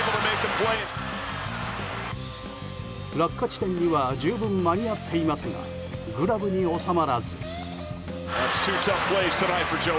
落下地点には十分間に合っていますがグラブに収まらず。